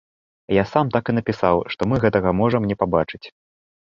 Я сам так і напісаў, што мы гэтага можам не пабачыць.